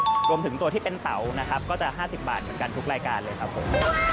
รวมถึงตัวที่เป็นเตานะครับก็จะ๕๐บาทเหมือนกันทุกรายการเลยครับผม